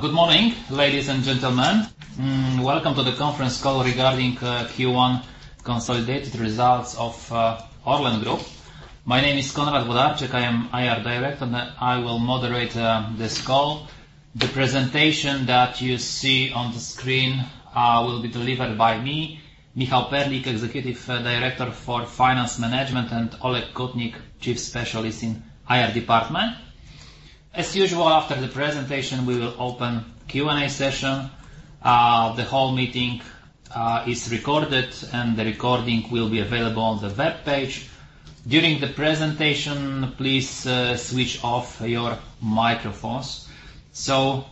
Good morning, ladies and gentlemen. Welcome to the conference call regarding Q1 consolidated results of ORLEN Group. My name is Konrad Włodarczyk, I am IR Director, and I will moderate this call. The presentation that you see on the screen will be delivered by me, Michał Perlik, Executive Director for Finance Management, and Olek Kotnik, Chief Specialist in IR Department. As usual, after the presentation, we will open Q&A session. The whole meeting is recorded, and the recording will be available on the webpage. During the presentation, please switch off your microphones.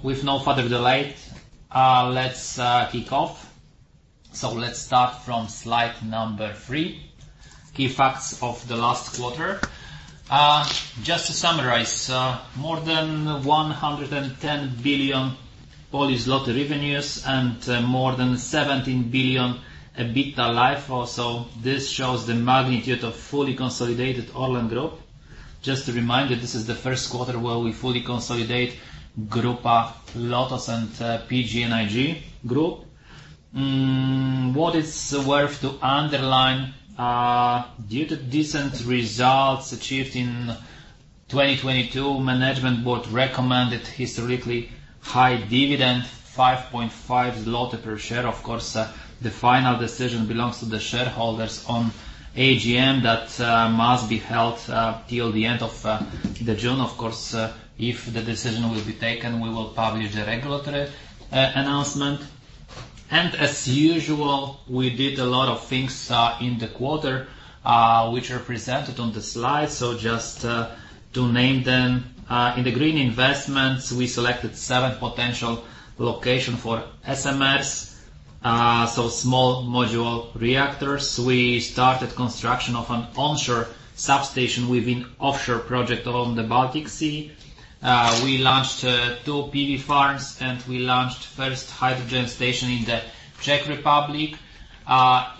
With no further delay, let's kick off. Let's start from slide number three, key facts of the last quarter. Just to summarize, more than 110 billion revenues and more than 17 billion EBITDA. This shows the magnitude of fully consolidated ORLEN Group. Just to remind you, this is the Q1 where we fully consolidate Grupa Lotos and PGNiG Group. What is worth to underline, due to decent results achieved in 2022, management board recommended historically high dividend, 5.5 zloty per share. Of course, the final decision belongs to the shareholders on AGM that must be held till the end of the June. Of course, if the decision will be taken, we will publish the regulatory announcement. As usual, we did a lot of things in the quarter which are presented on the slide. Just to name them, in the green investments, we selected seven potential location for SMRs, so Small Modular Reactors. We started construction of an onshore substation within offshore project along the Baltic Sea. We launched two PV farms, and we launched first hydrogen station in the Czech Republic.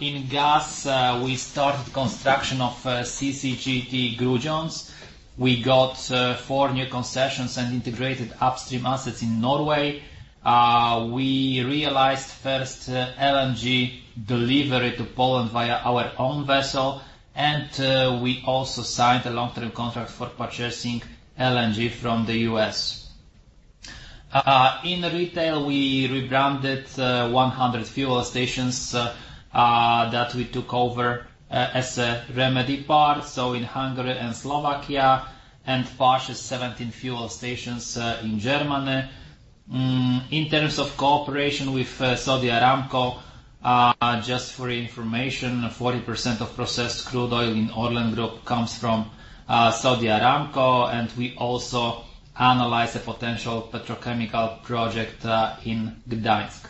In gas, we started construction of CCGT Grudziądz. We got four new concessions and integrated upstream assets in Norway. We realized first LNG delivery to Poland via our own vessel, and we also signed a long-term contract for purchasing LNG from the U.S. In retail, we rebranded 100 fuel stations that we took over as a remedy part, so in Hungary and Slovakia, and fascia 17 fuel stations in Germany. In terms of cooperation with Saudi Aramco, just for information, 40% of processed crude oil in ORLEN Group comes from Saudi Aramco. We also analyze the potential petrochemical project in Gdańsk.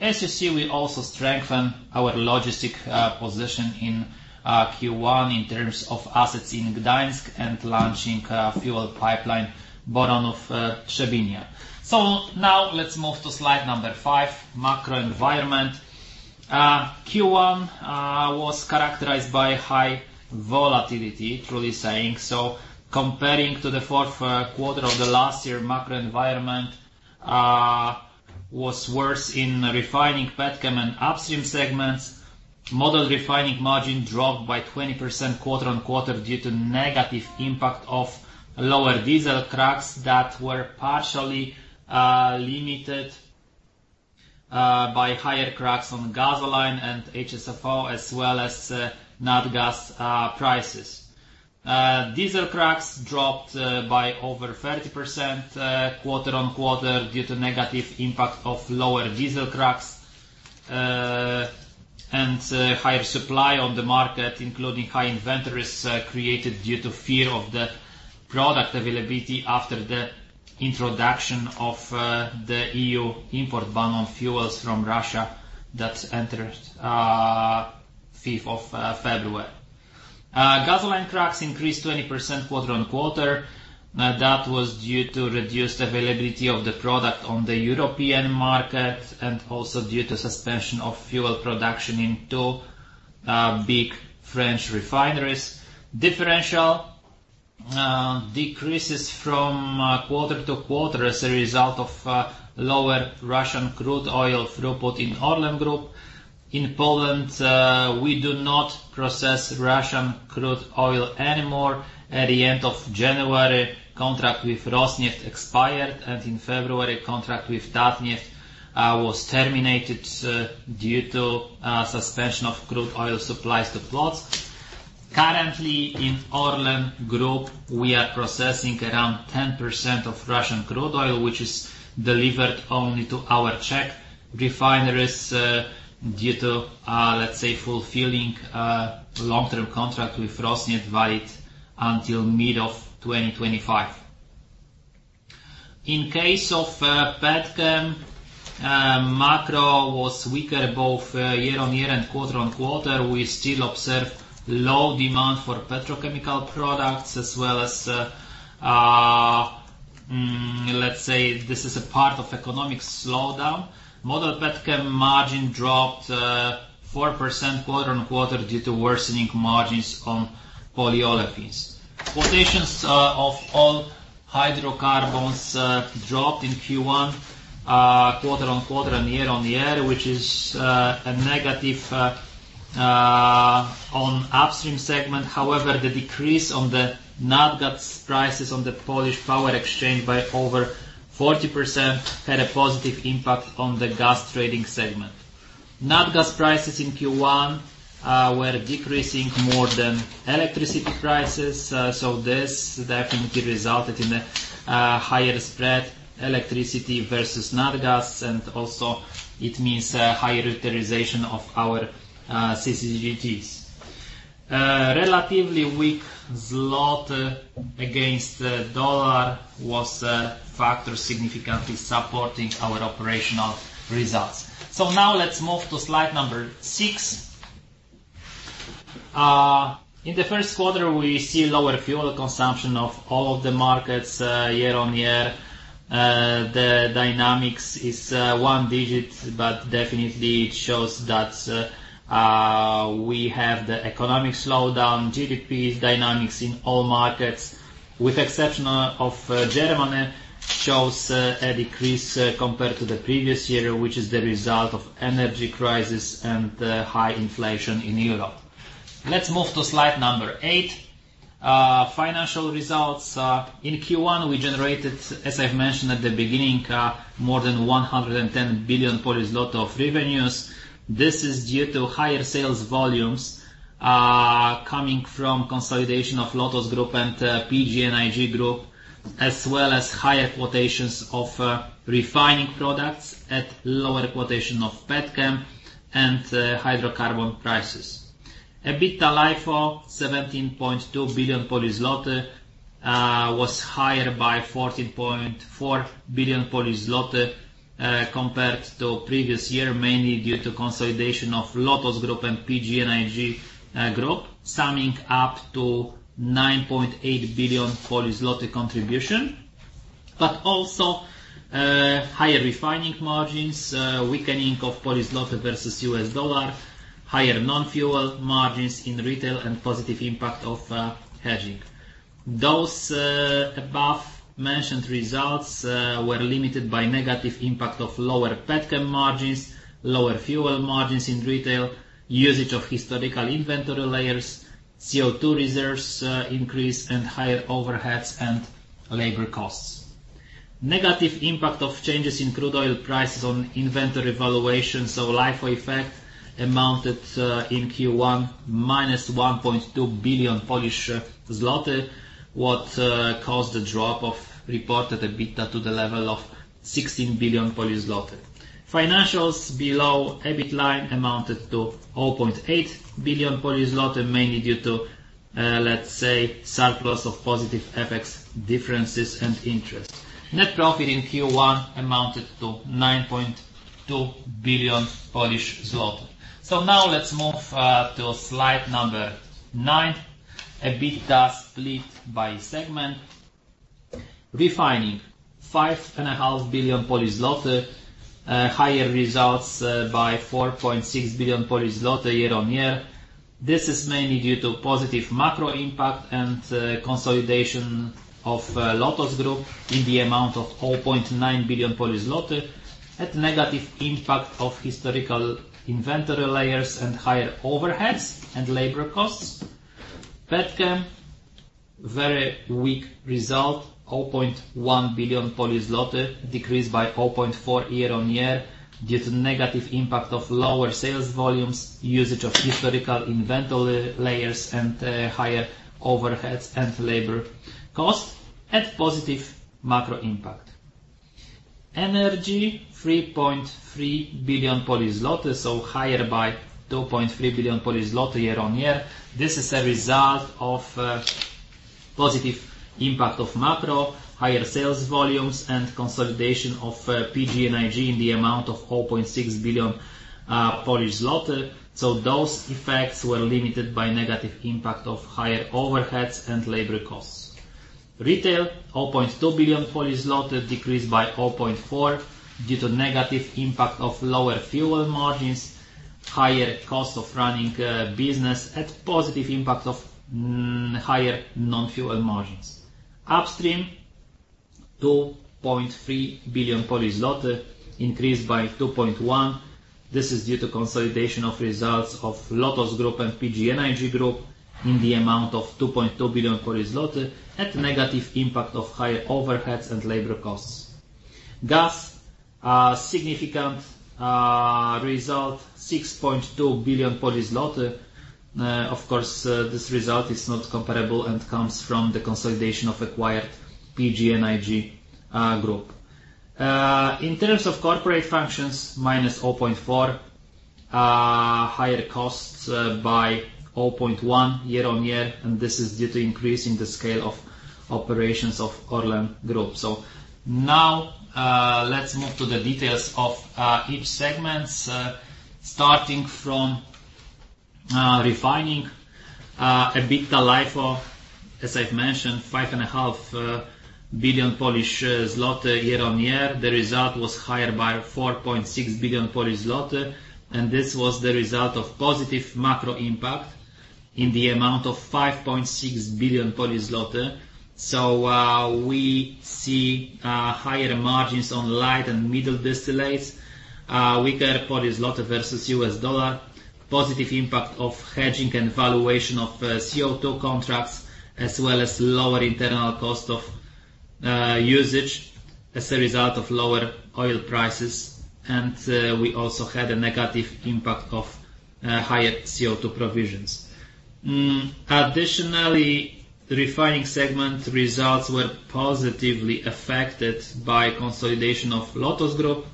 As you see, we also strengthen our logistic position in Q1 in terms of assets in Gdańsk and launching a fuel pipeline, Boronów-Trzebinia. Now let's move to slide number 5, macro environment. Q1 was characterized by high volatility, truly saying. Comparing to the Q4 of the last year, macro environment was worse in refining, petchem and upstream segments. Model refining margin dropped by 20% quarter on quarter due to negative impact of lower diesel cracks that were partially limited by higher cracks on gasoline and HSFO, as well as nat gas prices. Diesel cracks dropped by over 30% quarter-on-quarter due to negative impact of lower diesel cracks, and higher supply on the market, including high inventories, created due to fear of the product availability after the introduction of the EU import ban on fuels from Russia that entered 5th of February. Gasoline cracks increased 20% quarter-on-quarter. That was due to reduced availability of the product on the European market and also due to suspension of fuel production in two big French refineries. Differential decreases from quarter-to-quarter as a result of lower Russian crude oil throughput in ORLEN Group. In Poland, we do not process Russian crude oil anymore. At the end of January, contract with Rosneft expired. In February, contract with Tatneft was terminated due to suspension of crude oil supplies to Płock. Currently, in ORLEN Group, we are processing around 10% of Russian crude oil, which is delivered only to our Czech refineries due to, let's say, fulfilling long-term contract with Rosneft, valid until mid of 2025. In case of petchem, macro was weaker, both year-on-year and quarter-on-quarter. We still observe low demand for petrochemical products, as well as, let's say, this is a part of economic slowdown. Model petchem margin dropped 4% quarter-on-quarter due to worsening margins on polyolefins. Quotations of all hydrocarbons dropped in Q1, quarter-on-quarter and year-on-year, which is a negative on upstream segment. However, the decrease on the nat gas prices on the Polish Power Exchange by over 40% had a positive impact on the gas trading segment. Nat gas prices in Q1 were decreasing more than electricity prices, this definitely resulted in a higher spread, electricity versus nat gas, and also it means a higher utilization of our CCGTs. Relatively weak zloty against the dollar was a factor significantly supporting our operational results. Now let's move to slide number six. In the Q1, we see lower fuel consumption of all of the markets, year-on-year. The dynamics is one digit, Definitely it shows that we have the economic slowdown, GDPs, dynamics in all markets, with exception of Germany, shows a decrease compared to the previous year, which is the result of energy crisis and the high inflation in Europe. Let's move to slide number eight, financial results. In Q1, we generated, as I've mentioned at the beginning, more than 110 billion of revenues. This is due to higher sales volumes coming from consolidation of Lotos Group and PGNiG Group, as well as higher quotations of refining products at lower quotation of petchem and hydrocarbon prices. EBITDA LIFO, 17.2 billion, was higher by 14.4 billion compared to previous year, mainly due to consolidation of Lotos Group and PGNiG Group, summing up to 9.8 billion contribution, also higher refining margins, weakening of PLN versus U.S. dollar, higher non-fuel margins in retail, and positive impact of hedging. Above mentioned results were limited by negative impact of lower petchem margins, lower fuel margins in retail, usage of historical inventory layers, CO2 reserves increase, and higher overheads and labor costs. Negative impact of changes in crude oil prices on inventory valuations of LIFO effect amounted in Q1, minus 1.2 billion Polish zloty, what caused the drop of reported EBITDA to the level of 16 billion Polish zloty. Financials below EBIT line amounted to 0.8 billion Polish zloty, mainly due to, let's say, surplus of positive FX differences and interest. Net profit in Q1 amounted to 9.2 billion Polish zloty. Now let's move to slide number nine. EBITDA split by segment. Refining, five and a half billion PLN, higher results by 4.6 billion zloty year-on-year. This is mainly due to positive macro impact and consolidation of Lotos Group in the amount of 0.9 billion Polish zloty, at negative impact of historical inventory layers and higher overheads and labor costs. Petchem, very weak result, 0.1 billion, decreased by 0.4 billion year-on-year due to negative impact of lower sales volumes, usage of historical inventory layers, and higher overheads and labor cost, and positive macro impact. Energy, 3.3 billion, higher by 2.3 billion year-on-year. This is a result of positive impact of macro, higher sales volumes, and consolidation of PGNiG in the amount of 0.6 billion Polish zloty. Those effects were limited by negative impact of higher overheads and labor costs. Retail, 0.2 billion, decreased by 0.4 billion due to negative impact of lower fuel margins, higher cost of running business, and positive impact of higher non-fuel margins. Upstream, 2.3 billion Polish zloty, increased by 2.1 billion. This is due to consolidation of results of Lotos Group and PGNiG Group in the amount of 2.2 billion zloty, at negative impact of higher overheads and labor costs. Gas, a significant result, 6.2 billion Polish zloty. Of course, this result is not comparable and comes from the consolidation of acquired PGNiG Group. In terms of corporate functions, -0.4 billion, higher costs by 0.1 billion year-on-year, this is due to increase in the scale of operations of ORLEN Group. Now, let's move to the details of each segments, refining EBITDA LIFO, as I've mentioned, five and a half billion PLN year-on-year. The result was higher by 4.6 billion Polish zloty, and this was the result of positive macro impact in the amount of 5.6 billion Polish zloty. We see higher margins on light and middle distillates, weaker PLN versus U.S. dollar, positive impact of hedging and valuation of CO2 contracts, as well as lower internal cost of usage as a result of lower oil prices. We also had a negative impact of higher CO2 provisions. Additionally, refining segment results were positively affected by consolidation of Lotos Group,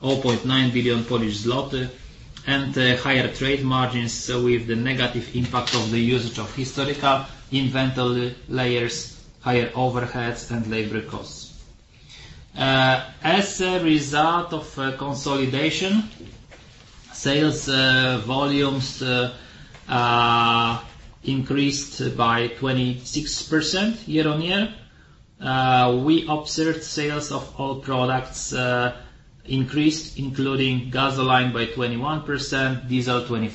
all 0.9 billion Polish zloty, and higher trade margins. With the negative impact of the usage of historical inventory layers, higher overheads and labor costs. As a result of consolidation, sales volumes are increased by 26% year-on-year. We observed sales of all products increased, including gasoline by 21%, diesel 25%,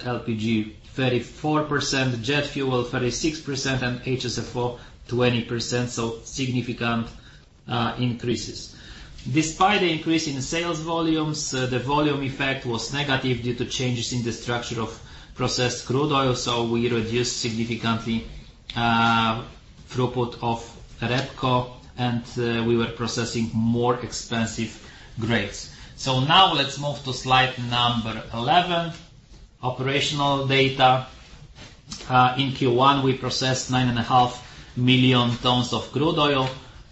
LPG 34%, jet fuel 36%, and HSFO 20%. Significant increases. Despite the increase in sales volumes, the volume effect was negative due to changes in the structure of processed crude oil, we reduced significantly throughput of REBCO, we were processing more expensive grades. Now let's move to slide number 11, operational data. In Q1, we processed 9.5 million tons of crude oil,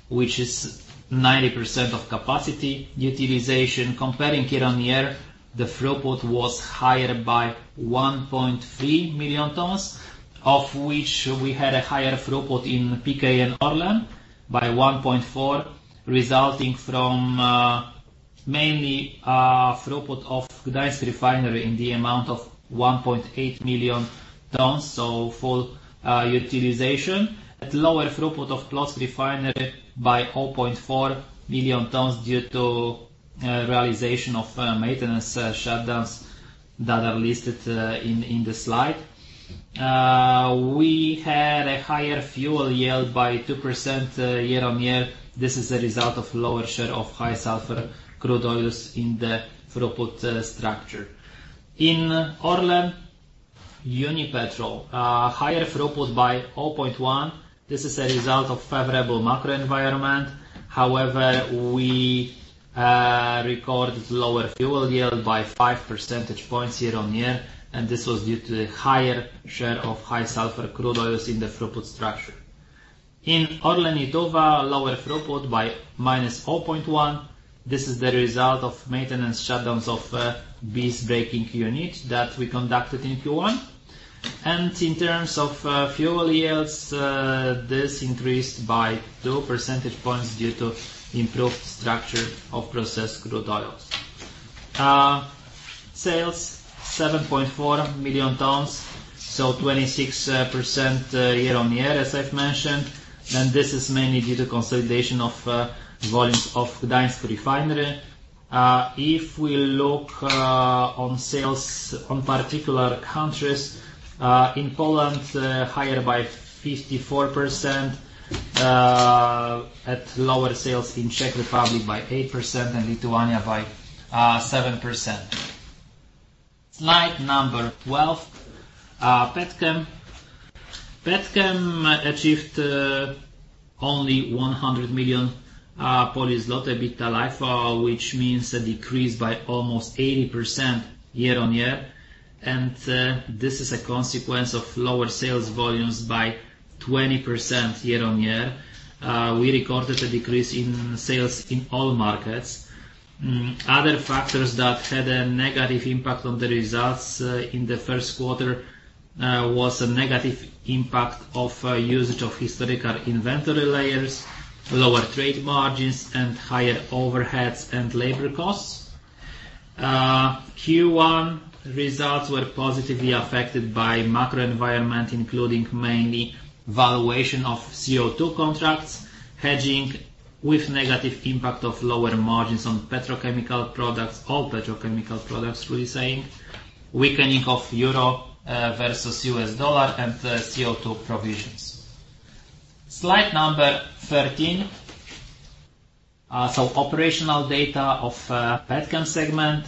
which is 90% of capacity utilization. Comparing year-on-year, the throughput was higher by 1.3 million tons, of which we had a higher throughput in PKN Orlen by 1.4, resulting from mainly a throughput of Gdańsk Refinery in the amount of 1.8 million tons, full utilization. At lower throughput of Płock Refinery by 0.4 million tons due to realization of maintenance shutdowns that are listed in the slide. We had a higher fuel yield by 2% year-on-year. This is a result of lower share of high sulfur crude oils in the throughput structure. In Orlen Unipetrol, higher throughput by 0.1. This is a result of favorable macro environment. However, we recorded lower fuel yield by 5 percentage points year-on-year, and this was due to the higher share of high sulfur crude oils in the throughput structure. In ORLEN Lietuva, lower throughput by minus 0.1. This is the result of maintenance shutdowns of visbreaking unit that we conducted in Q1. In terms of fuel yields, this increased by 2 percentage points due to improved structure of processed crude oils. Sales 7.4 million tons, so 26% year-on-year, as I've mentioned, and this is mainly due to consolidation of volumes of Gdansk Refinery. If we look on sales on particular countries, in Poland, higher by 54%, at lower sales in Czech Republic by 8% and Lithuania by 7%. Slide number 12. Petchem. Petchem achieved only 100 million EBITDA LIFO, which means a decrease by almost 80% year-on-year, this is a consequence of lower sales volumes by 20% year-on-year. We recorded a decrease in sales in all markets. Other factors that had a negative impact on the results in the Q1 was a negative impact of usage of historical inventory layers, lower trade margins, and higher overheads and labor costs. Q1 results were positively affected by macro environment, including mainly valuation of CO2 contracts, hedging with negative impact of lower margins on petrochemical products, all petrochemical products, we saying, weakening of euro versus U.S. dollar and CO2 provisions. Slide number 13. Operational data of Petchem segment.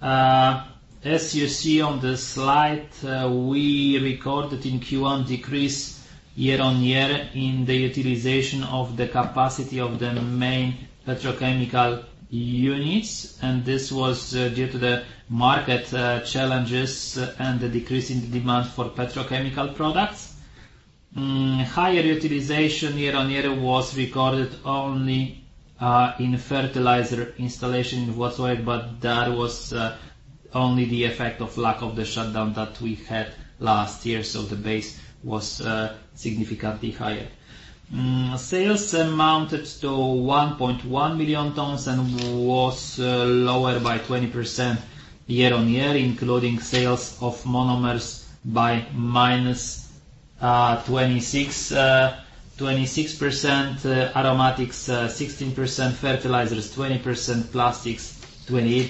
As you see on the slide, we recorded in Q1 decrease year-on-year in the utilization of the capacity of the main petrochemical units, this was due to the market challenges and the decrease in the demand for petrochemical products. Higher utilization year-on-year was recorded only in fertilizer installation in Włocławek, but that was only the effect of lack of the shutdown that we had last year, so the base was significantly higher. Sales amounted to 1.1 million tons and was lower by 20% year-on-year, including sales of monomers by -26%, aromatics 16%, fertilizers 20%, plastics 28%,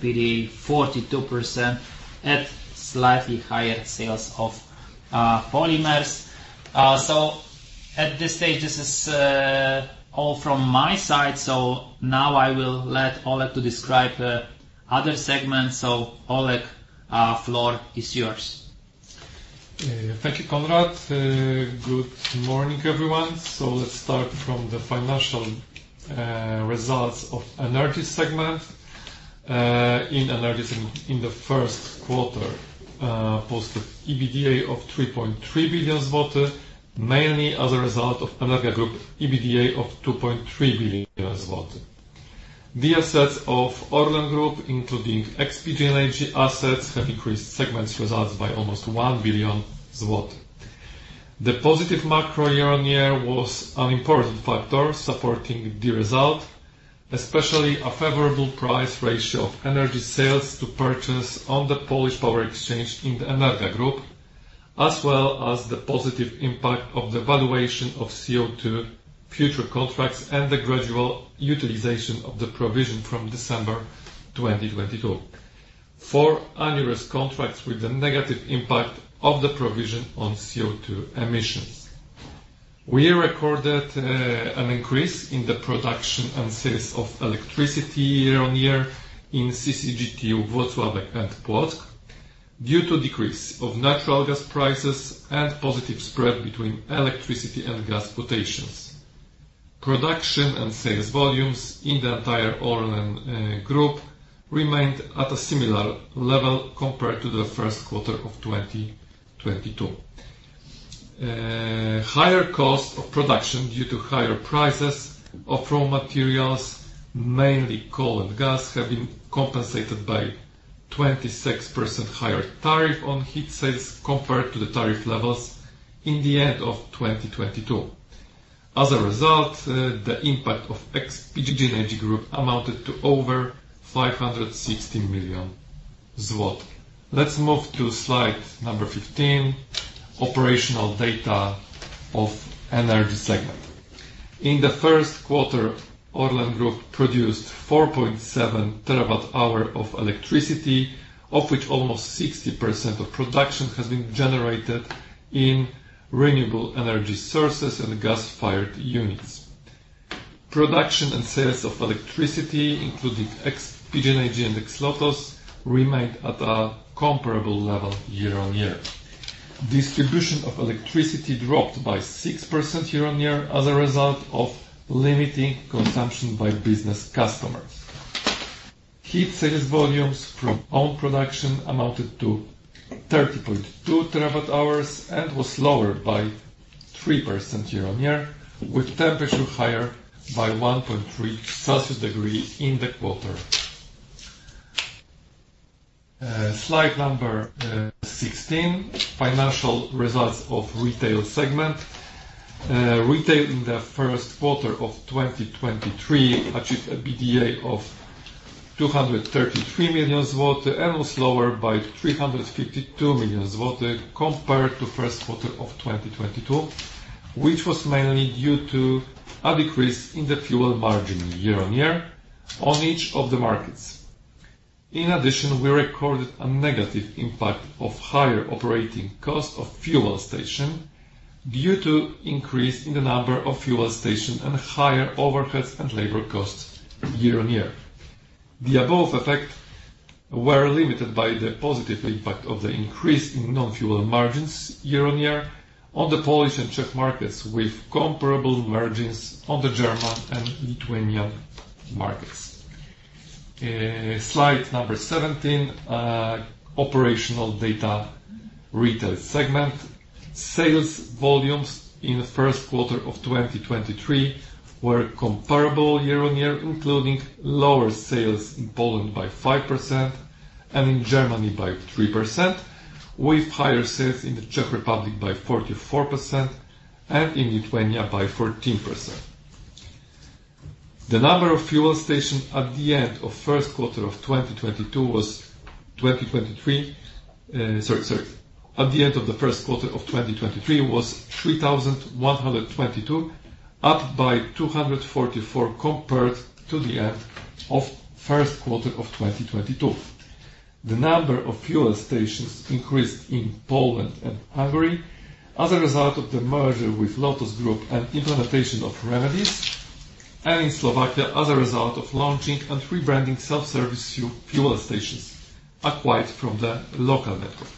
PTA 42%, and slightly higher sales of polymers. At this stage, this is all from my side. Now I will let Olek to describe the other segments. Olek, floor is yours. Thank you, Konrad. Good morning, everyone. Let's start from the financial results of Energy segment. In Energy segment in the Q1 posted EBITDA of 3.3 billion zloty, mainly as a result of Energa Group EBITDA of 2.3 billion zloty. The assets of ORLEN Group, including ex PGNiG assets, have increased segment's results by almost 1 billion zloty. The positive macro year-on-year was an important factor supporting the result, especially a favorable price ratio of energy sales to purchase on the Polish Power Exchange in the Energa Group, as well as the positive impact of the valuation of CO2 future contracts and the gradual utilization of the provision from December 2022 for annual contracts with the negative impact of the provision on CO2 emissions. We recorded an increase in the production and sales of electricity year-on-year in CCGT Wrocław and Płock, due to decrease of natural gas prices and positive spread between electricity and gas quotations. Production and sales volumes in the entire ORLEN Group remained at a similar level compared to the Q1 of 2022. Higher cost of production due to higher prices of raw materials, mainly coal and gas, have been compensated by 26% higher tariff on heat sales compared to the tariff levels in the end of 2022. As a result, the impact of ex PGNiG Group amounted to over 560 million zloty. Let's move to slide number 15, Operational Data of Energy Segment. In the Q1, Orlen Group produced 4.7 TWh of electricity, of which almost 60% of production has been generated in renewable energy sources and gas-fired units. Production and sales of electricity, including ex PGNiG and ex Lotos, remained at a comparable level year-on-year. Distribution of electricity dropped by 6% year-on-year as a result of limiting consumption by business customers. Heat sales volumes from own production amounted to 30.2 TWh and was lower by 3% year-on-year, with temperature higher by 1.3 degrees Celsius in the quarter. slide number 16, Financial Results of Retail segment. Retail in the Q1 of 2023 achieved an EBITDA of 233 million, and was lower by 352 million compared to Q1 of 2022, which was mainly due to a decrease in the fuel margin year-on-year on each of the markets. In addition, we recorded a negative impact of higher operating cost of fuel station due to increase in the number of fuel station and higher overheads and labor costs year-on-year. The above effect were limited by the positive impact of the increase in non-fuel margins year-on-year on the Polish and Czech markets, with comparable margins on the German and Lithuanian markets. Slide number 17, Operational Data, Retail segment. Sales volumes in the Q1 of 2023 were comparable year-on-year, including lower sales in Poland by 5% and in Germany by 3%, with higher sales in the Czech Republic by 44% and in Lithuania by 14%. At the end of the Q1 of 2023, was 3,122, up by 244 compared to the end of Q1 of 2022. The number of fuel stations increased in Poland and Hungary as a result of the merger with Lotos Group and implementation of remedies, and in Slovakia, as a result of launching and rebranding self-service fuel stations acquired from the local network.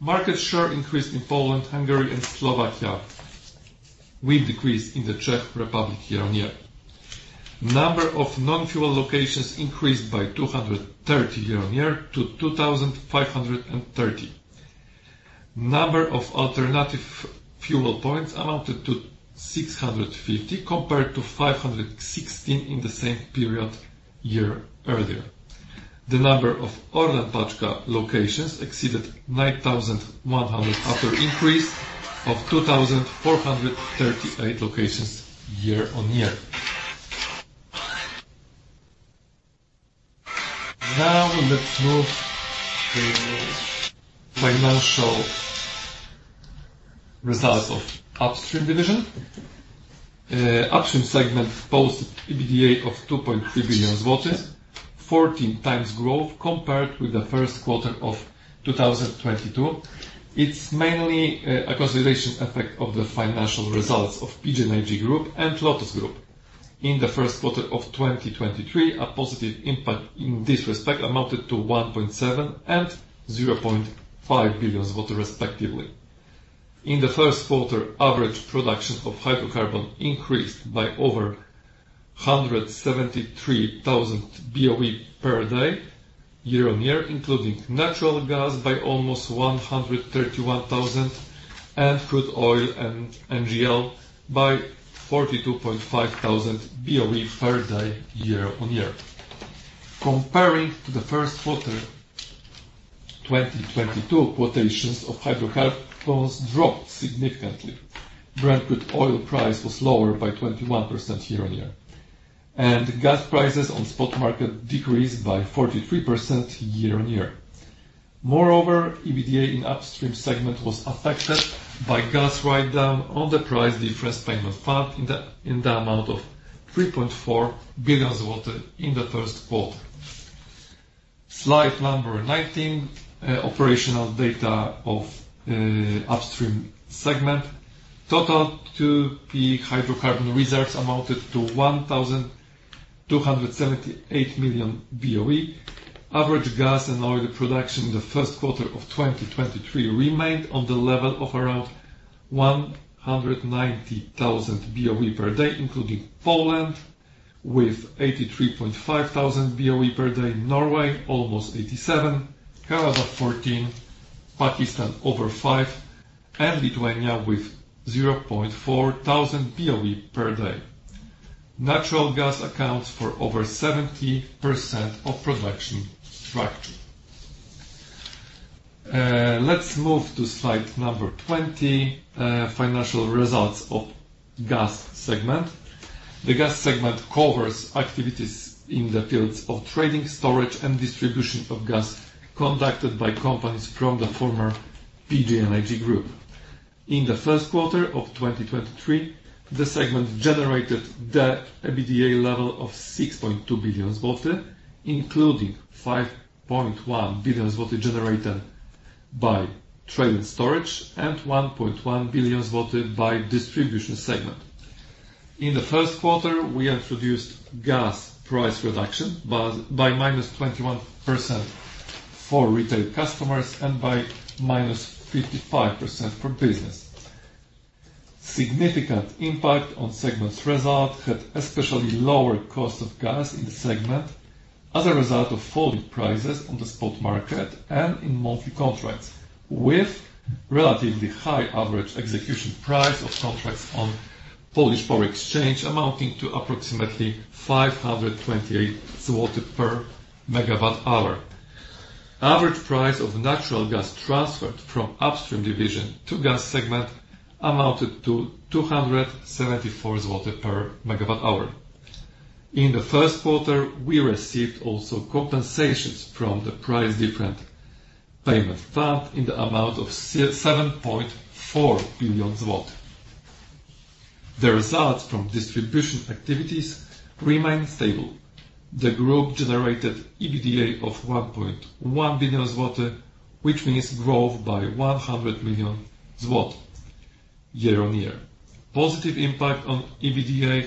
Market share increased in Poland, Hungary, and Slovakia, with decrease in the Czech Republic year-on-year. Number of non-fuel locations increased by 230 year-on-year to 2,530. Number of alternative fuel points amounted to 650, compared to 516 in the same period year earlier. The number of Orlen Paczka locations exceeded 9,100, after increase of 2,438 locations year-on-year. Now, let's move to the financial results of Upstream Division. Upstream segment posted EBITDA of 2.3 billion zloty, 14 times growth compared with the Q1 of 2022. It's mainly a consolidation effect of the financial results of PGNiG Group and Grupa Lotos. In the Q1 of 2023, a positive impact in this respect amounted to 1.7 billion and 0.5 billion zloty, respectively. In the Q1, average production of hydrocarbon increased by over 173,000 BOE per day, year-on-year, including natural gas by almost 131,000, and crude oil and NGL by 42.5 thousand BOE per day, year-on-year. Comparing to the Q1, 2022, quotations of hydrocarbons dropped significantly. Brent crude oil price was lower by 21% year-on-year, and gas prices on spot market decreased by 43% year-on-year. EBITDA in Upstream segment was affected by gas writedown on the Price Difference Payment Fund in the amount of 3.4 billion zloty in the Q1. Slide number 19, operational data of Upstream segment. Total 2P hydrocarbon reserves amounted to 1,278 million BOE. Average gas and oil production in the Q1 of 2023 remained on the level of around 190,000 BOE per day, including Poland, with 83.5 thousand BOE per day, Norway, almost 87, Canada, 14, Pakistan, over five, and Lithuania with 0.4 thousand BOE per day. Natural gas accounts for over 70% of production structure. Let's move to slide number 20, financial results of Gas segment. The Gas segment covers activities in the fields of trading, storage, and distribution of gas conducted by companies from the former PGNiG Group. In the Q1 of 2023, the segment generated the EBITDA level of 6.2 billion zloty, including 5.1 billion zloty generated by trade and storage, and 1.1 billion zloty by distribution segment. In the Q1, we introduced gas price reduction by -21% for retail customers and by -55% for business. Significant impact on segment's result had especially lower cost of gas in the segment as a result of falling prices on the spot market and in monthly contracts, with relatively high average execution price of contracts on Polish Power Exchange amounting to approximately 528 per MWh. Average price of natural gas transferred from Upstream division to Gas segment amounted to 274 per MWh. In the Q1, we received compensations from the Price Difference Payment Fund in the amount of 7.4 billion zloty. The results from distribution activities remained stable. The group generated EBITDA of 1.1 billion zloty, which means growth by 100 million zloty year-on-year. Positive impact on EBITDA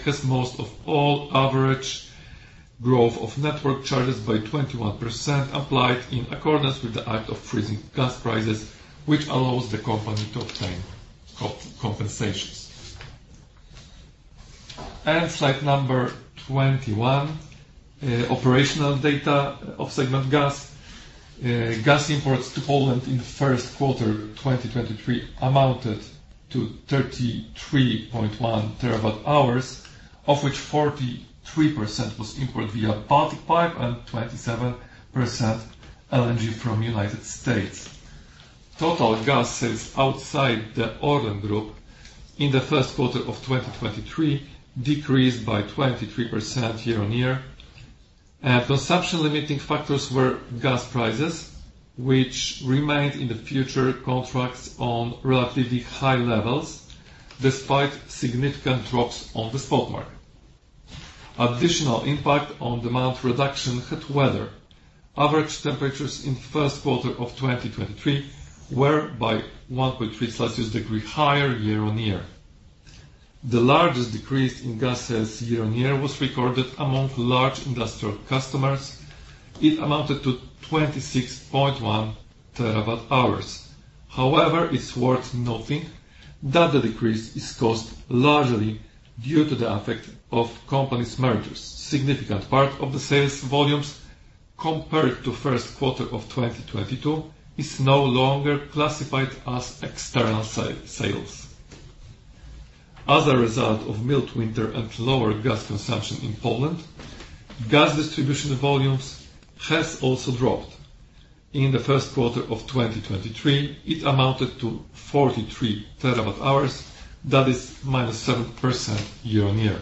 average growth of network charges by 21%, applied in accordance with the act of freezing gas prices, which allows the company to obtain compensations. Slide number 21, operational data of segment Gas. Gas imports to Poland in the Q1, 2023, amounted to 33.1 TWh, of which 43% was imported via Baltic Pipe and 27% LNG from United States. Total gas sales outside the ORLEN Group in the Q1 of 2023 decreased by 23% year-on-year. Consumption limiting factors were gas prices, which remained in the future contracts on relatively high levels, despite significant drops on the spot market. Additional impact on demand reduction hit weather. Average temperatures in the Q1 of 2023 were by 1.3 degrees Celsius higher year-on-year. The largest decrease in gas sales year-on-year was recorded among large industrial customers. It amounted to 26.1 TWh. However, it's worth noting that the decrease is caused largely due to the effect of company's mergers. Significant part of the sales volumes compared to Q1 of 2022, is no longer classified as external sales. As a result of mild winter and lower gas consumption in Poland, gas distribution volumes has also dropped. In the Q1 of 2023, it amounted to 43 TWh, that is -7% year-on-year.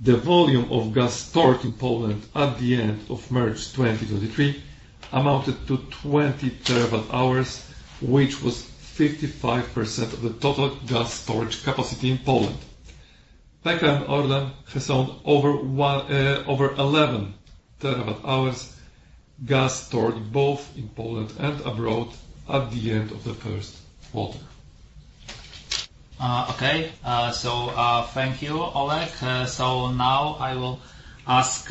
The volume of gas stored in Poland at the end of March 2023, amounted to 20 TWh, which was 55% of the total gas storage capacity in Poland. PKN Orlen has owned over one, over 11 TWh, gas stored both in Poland and abroad at the end of the Q1. Okay. Thank you, Olek. Now I will ask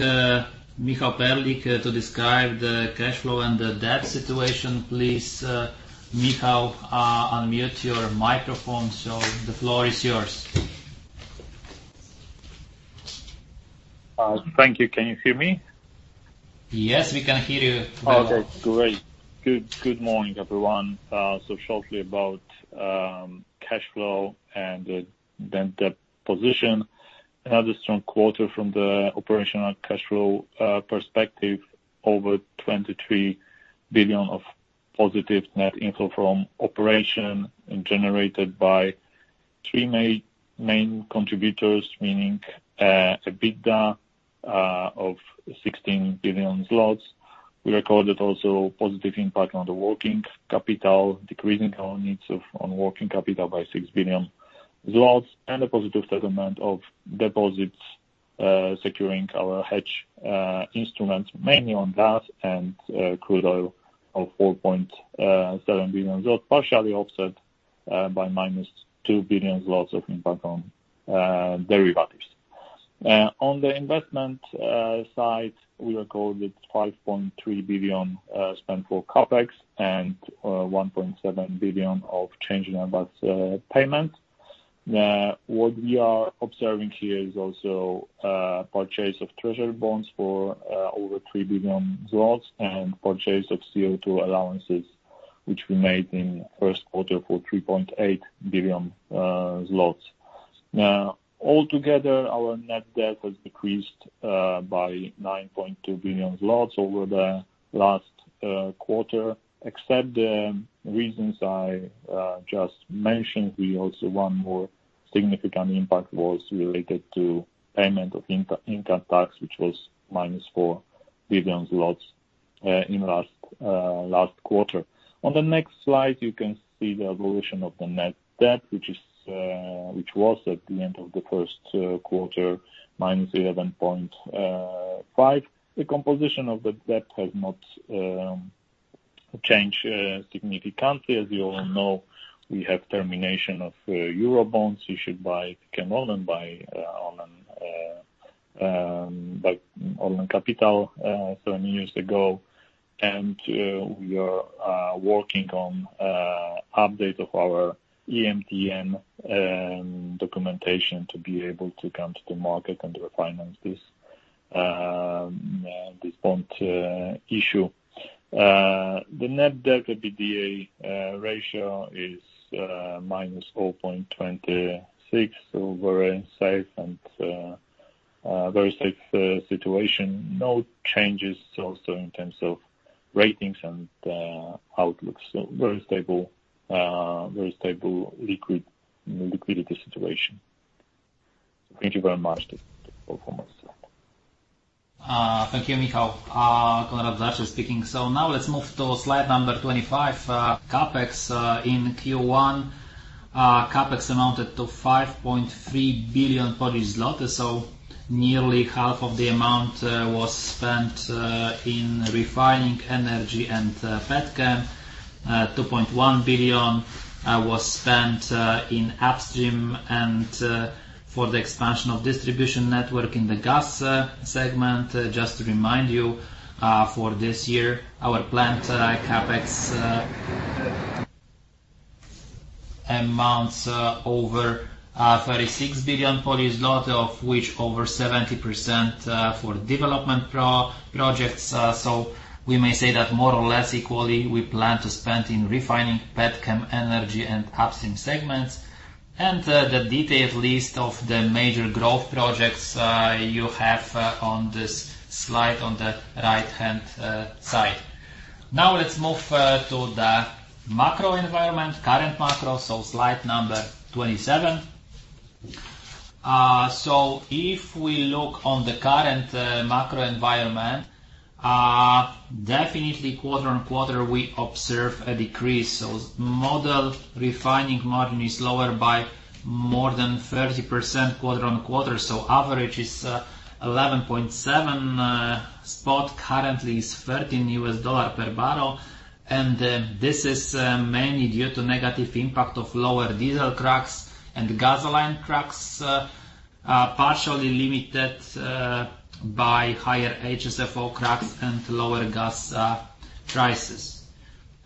Michał Perlik to describe the cash flow and the debt situation. Please, Michał, unmute your microphone. The floor is yours. Thank you. Can you hear me? Yes, we can hear you well. Okay, great. Good morning, everyone. Shortly about cash flow and the debt position. Another strong quarter from the operational cash flow perspective over 23 billion of positive net income from operation, generated by three main contributors, meaning EBITDA of 16 billion zlotys. We recorded also positive impact on the working capital, decreasing our needs of on working capital by 6 billion, a positive settlement of deposits, securing our hedge instruments, mainly on gas and crude oil of 4.7 billion, partially offset by -2 billion of impact on derivatives. On the investment side, we recorded 5.3 billion spent for CapEx, 1.7 billion of change in about payment. What we are observing here is also purchase of treasury bonds for over 3 billion zlotys, and purchase of CO2 allowances, which we made in Q1 for 3.8 billion zlotys. Altogether, our net debt has decreased by 9.2 billion zlotys over the last quarter. Except the reasons I just mentioned, we also one more significant impact was related to payment of income tax, which was -4 billion in last quarter. On the next slide, you can see the evolution of the net debt, which was at the end of the Q1, -11.5 billion. The composition of the debt has not changed significantly. As you all know, we have termination of Eurobonds issued by PKN Orlen by Orlen Capital, seven years ago. We are working on update of our EMTN documentation to be able to come to the market and refinance this bond issue. The net debt to EBITDA ratio is -4.26, so very safe and very safe situation. No changes also in terms of ratings and outlook. Very stable, very stable liquidity situation. Thank you very much. Thank you, Michał. Konrad Zarzeczny speaking. Now let's move to slide number 25. CapEx. In Q1, CapEx amounted to 5.3 billion Polish zloty. Nearly half of the amount was spent in refining energy and petchem. 2.1 billion was spent in upstream and for the expansion of distribution network in the gas segment. Just to remind you, for this year, our planned CapEx amounts over 36 billion Polish zloty, of which over 70% for development projects. We may say that more or less equally, we plan to spend in refining petchem, energy and upstream segments. The detailed list of the major growth projects you have on this slide on the right-hand side. Now let's move to the macro environment, current macro, so slide number 27. If we look on the current macro environment, definitely quarter-on-quarter, we observe a decrease. Model refining margin is lower by more than 30% quarter-on-quarter, so average is $11.7 per barrel. Spot currently is $13 per barrel. This is mainly due to negative impact of lower diesel cracks and gasoline cracks, partially limited by higher HSFO cracks and lower gas prices.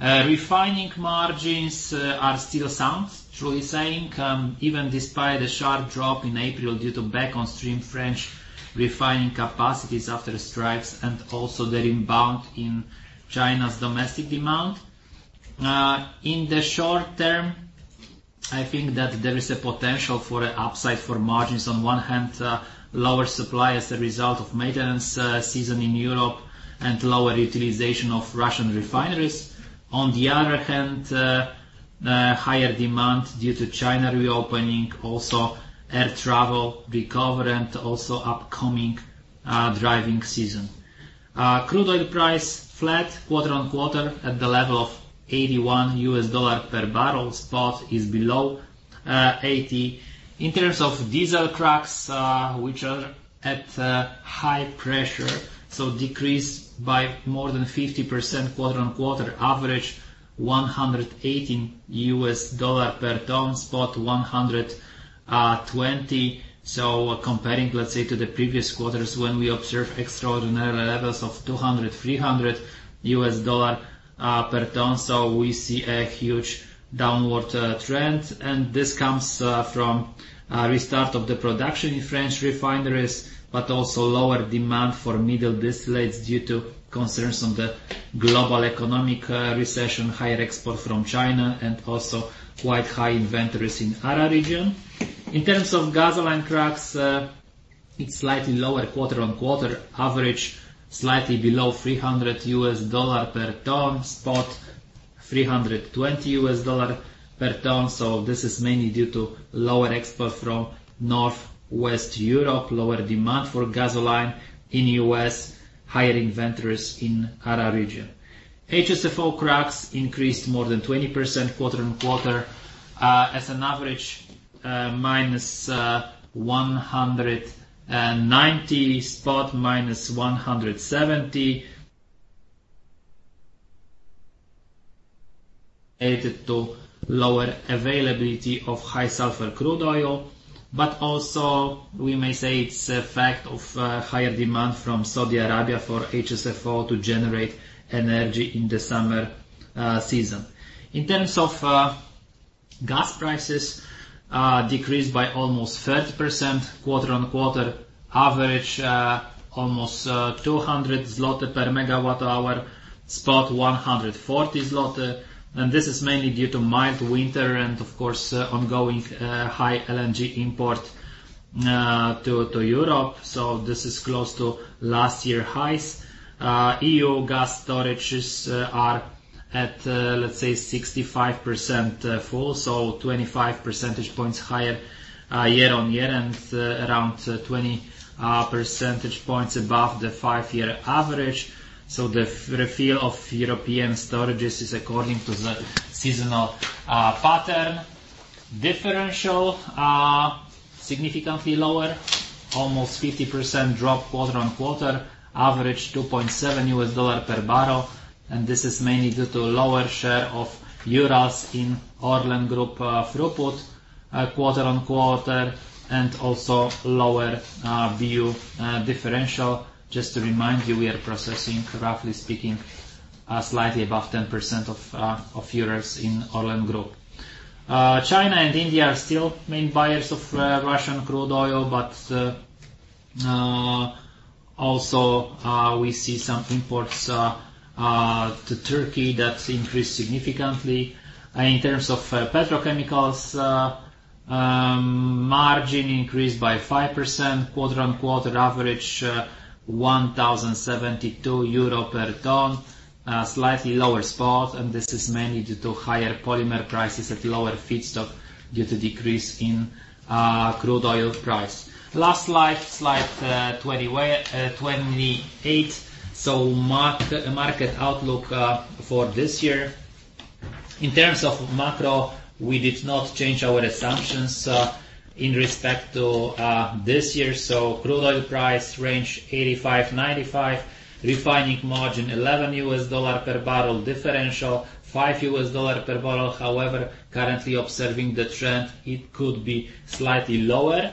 Refining margins are still sound, truly saying, even despite a sharp drop in April due to back on stream French refining capacities after strikes and also the rebound in China's domestic demand. In the short term, I think that there is a potential for an upside for margins. On one hand, lower supply as a result of maintenance season in Europe and lower utilization of Russian refineries. On the other hand, higher demand due to China reopening, also air travel recover and also upcoming driving season. Crude oil price flat quarter-on-quarter at the level of $81 per barrel. Spot is below $80. In terms of diesel cracks, which are at high pressure, decrease by more than 50% quarter-on-quarter, average $180 per ton, spot $120. Comparing, let's say, to the previous quarters, when we observed extraordinary levels of $200, $300 per ton, we see a huge downward trend. This comes from restart of the production in French refineries, but also lower demand for middle distillates due to concerns on the global economic recession, higher export from China, and also quite high inventories in other region. In terms of gasoline cracks, it's slightly lower quarter on quarter, average slightly below $300 per ton, spot $320 per ton. This is mainly due to lower export from Northwest Europe, lower demand for gasoline in U.S., higher inventories in other region. HSFO cracks increased more than 20% quarter on quarter, as an average, minus $190, spot minus $170. Added to lower availability of high sulfur crude oil, but also we may say it's a fact of higher demand from Saudi Arabia for HSFO to generate energy in the summer season. In terms of gas prices, decreased by almost 30% quarter-on-quarter, average almost 200 zloty per MWh, spot 140 zloty. This is mainly due to mild winter and of course, ongoing high LNG import to Europe. This is close to last year highs. EU gas storages are at, let's say, 65% full, so 25 percentage points higher year-on-year and around 20 percentage points above the five-year average. The refill of European storages is according to the seasonal pattern. Differential, significantly lower, almost 50% drop quarter-on-quarter, average $2.7 per barrel. This is mainly due to lower share of Urals in ORLEN Group throughput quarter-on-quarter and also lower BU differential. Just to remind you, we are processing, roughly speaking, slightly above 10% of Urals in ORLEN Group. China and India are still main buyers of Russian crude oil, but also we see some imports to Turkey that increased significantly. In terms of petrochemicals, margin increased by 5% quarter-on-quarter, average 1,072 euro per ton, slightly lower spot, and this is mainly due to higher polymer prices at lower feedstock due to decrease in crude oil price. Last slide 28. Market outlook for this year. In terms of macro, we did not change our assumptions in respect to this year. Crude oil price range, $85-$95. Refining margin, $11 per barrel. Differential, $5 per barrel. However, currently observing the trend, it could be slightly lower.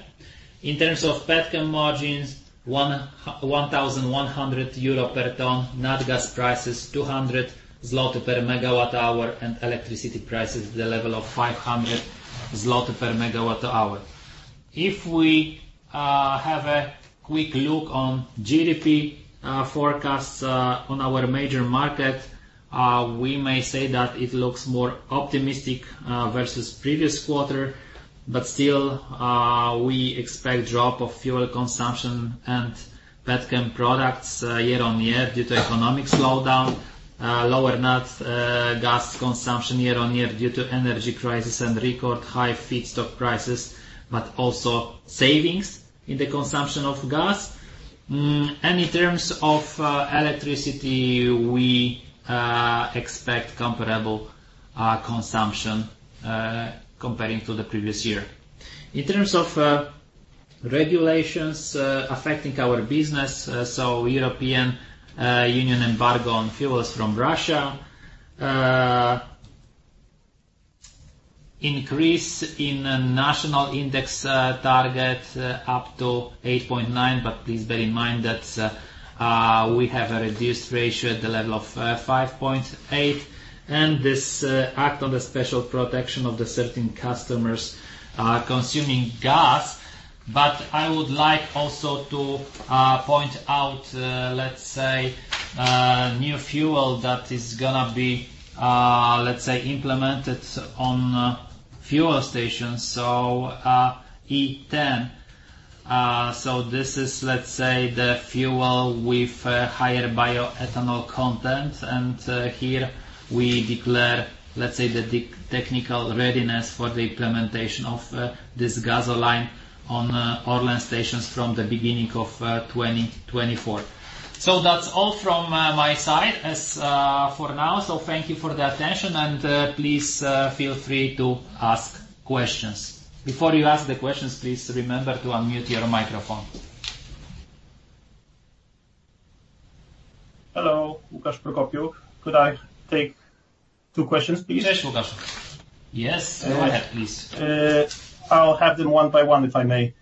In terms of petchem margins, 1,100 euro per ton, nat gas prices, 200 zloty per MWh, and electricity prices, the level of 500 zloty per MWh. If we, have a quick look on GDP, forecasts, on our major market, we may say that it looks more optimistic, versus previous quarter, but still, we expect drop of fuel consumption and petchem products, year-on-year due to economic slowdown, lower nat, gas consumption year-on-year due to energy crisis and record high feedstock prices, but also savings in the consumption of gas. In terms of, electricity, we, expect comparable, consumption, comparing to the previous year. In terms of regulations affecting our business, European Union embargo on fuels from Russia, increase in national index target up to 8.9, but please bear in mind that we have a reduced ratio at the level of 5.8, and this act on the special protection of the certain customers consuming gas. I would like also to point out new fuel that is gonna be implemented on fuel stations, E10. This is the fuel with higher bioethanol content. Here we declare the technical readiness for the implementation of this gasoline on Orlen stations from the beginning of 2024.That's all from my side as for now. Thank you for the attention, and please feel free to ask questions. Before you ask the questions, please remember to unmute your microphone. Hello, Łukasz Prokopiuk. Could I take two questions, please? Yes, Łukasz. Yes, go ahead, please. I'll have them one by one, if I may.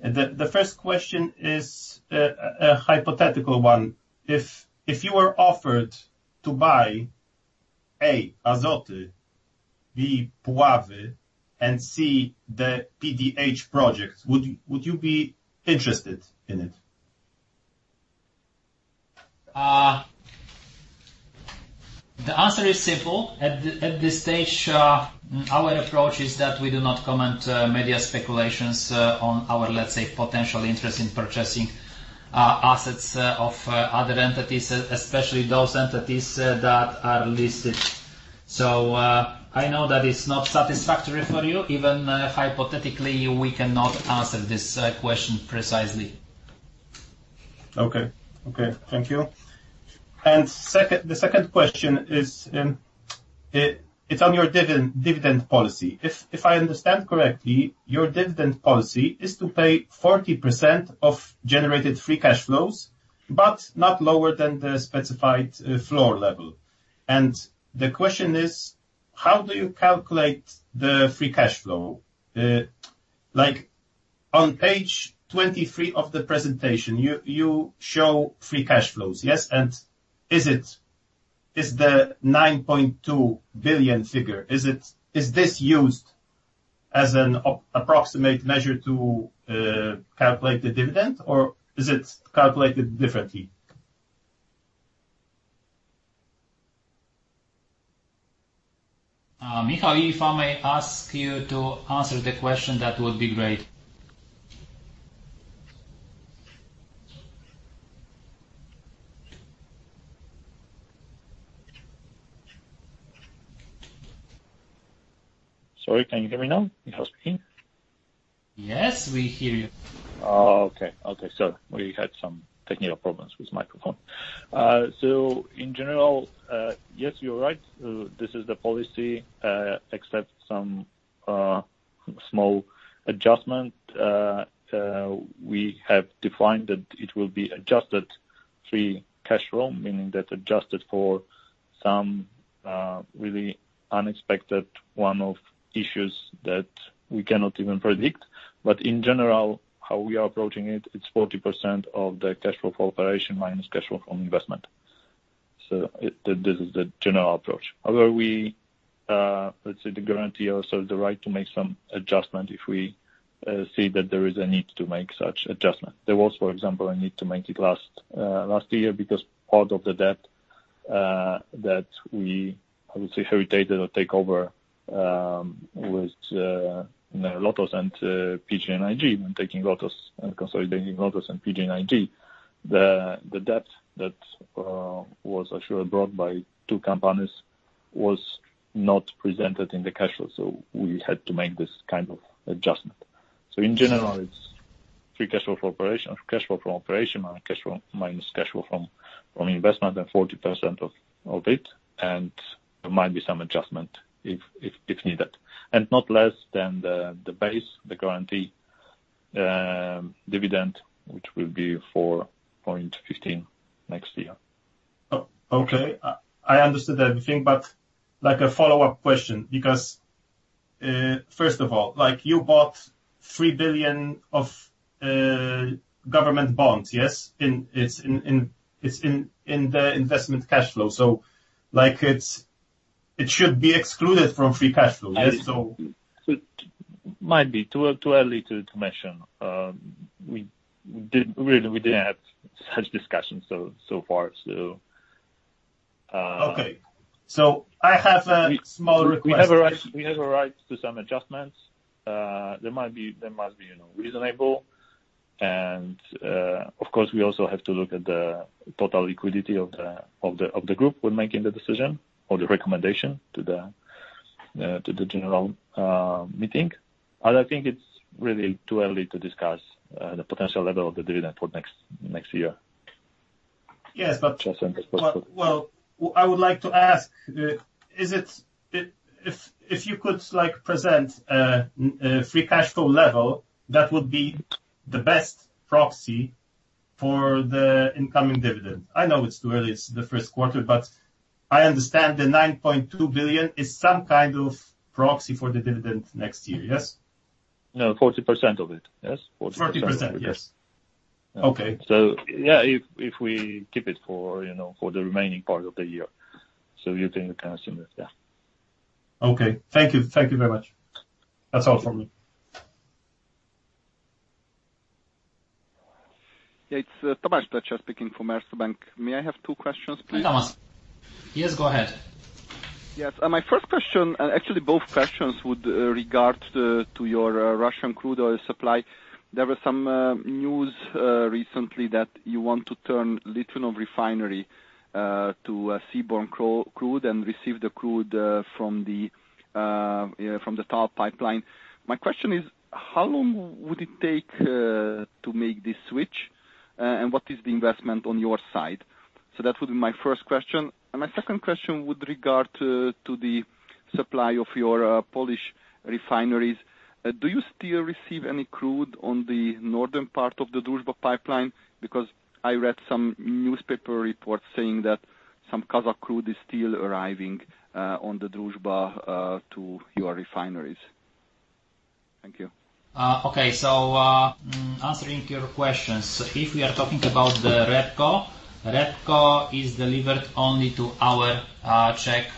The first question is a hypothetical one. If you were offered to buy, A, Azoty, B, Puławy, and C, the PDH project, would you be interested in it? The answer is simple. At this stage, our approach is that we do not comment media speculations on our, let's say, potential interest in purchasing assets of other entities, especially those entities that are listed. I know that it's not satisfactory for you. Even hypothetically, we cannot answer this question precisely. Okay. Okay, thank you. The second question is, it's on your dividend policy. If I understand correctly, your dividend policy is to pay 40% of generated free cash flows, but not lower than the specified floor level. The question is, how do you calculate the free cash flow? Like on page 23 of the presentation, you show free cash flows, yes? Is the 9.2 billion figure, is this used as an approximate measure to calculate the dividend, or is it calculated differently? Michał, if I may ask you to answer the question, that would be great. Sorry, can you hear me now? Michał speaking. Yes, we hear you. Oh, okay. Okay. Sorry, we had some technical problems with microphone. In general, yes, you're right. This is the policy, except some small adjustment. We have defined that it will be adjusted free cash flow, meaning that adjusted for some really unexpected one-off issues that we cannot even predict. In general, how we are approaching it's 40% of the cash flow operation, minus cash flow from investment. This is the general approach. Although we, let's say, the guarantee or sort of the right to make some adjustment, if we see that there is a need to make such adjustment. There was, for example, a need to make it last year, because part of the debt that we, I would say, inherited or take over, with, you know, Lotos and PGNiG, when taking Lotos and consolidating Lotos and PGNiG. The debt that was actually brought by two companies was not presented in the cash flow, so we had to make this kind of adjustment. In general, it's free cash flow from operation, cash flow from operation, minus cash flow, minus cash flow from investment, and 40% of it, and there might be some adjustment if needed, and not less than the base, the guarantee, dividend, which will be 4.15 next year. Okay, I understood everything, like a follow-up question, because first of all, like you bought 3 billion of government bonds, yes? It's in the investment cash flow. Like it should be excluded from free cash flow, yes? It might be too early to mention. We did, really, we didn't have such discussions so far. Okay. I have a small request. We have a right to some adjustments. They must be, you know, reasonable. Of course, we also have to look at the total liquidity of the group when making the decision or the recommendation to the general meeting. I think it's really too early to discuss the potential level of the dividend for next year. Yes, but- Just in the short term. Well, I would like to ask, If you could like, present, free cash flow level, that would be the best proxy for the incoming dividend. I know it's too early, it's the Q1, but I understand the 9.2 billion is some kind of proxy for the dividend next year, yes? No, 40% of it. Yes, 40%. 40%, yes. Okay. Yeah, if we keep it for, you know, for the remaining part of the year, so you can assume that, yeah. Okay. Thank you. Thank you very much. That's all from me. Yeah, it's Tomasz Duda speaking from Erste Bank. May I have two questions, please? Hey, Tomas. Yes, go ahead. Yes, my first question, and actually both questions with regards to your Russian crude oil supply. There was some news recently that you want to turn Litvinov Refinery to a seaborne crude and receive the crude from the TAL pipeline. My question is: How long would it take to make this switch? What is the investment on your side? That would be my first question. My second question with regard to the supply of your Polish refineries. Do you still receive any crude on the northern part of the Druzhba pipeline? Because I read some newspaper reports saying that some Kazakh crude is still arriving on the Druzhba to your refineries. Thank you. Okay, answering your questions, if we are talking about the REBCO is delivered only to our Czech